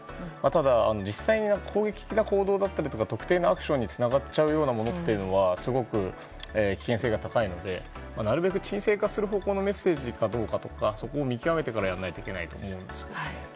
ただ、実際に攻撃的な行動だったり特定なアクションにつながっちゃうようなものはすごく危険性が高いのでなるべく沈静化する方向のメッセージかどうかとかそこを見極めてからやらないといけないですね。